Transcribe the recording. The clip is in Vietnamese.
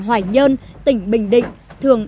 hoài nhơn tỉnh bình định thường